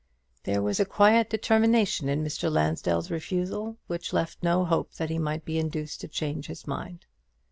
There was a quiet determination in Mr. Lansdell's refusal, which left no hope that he might be induced to change his mind.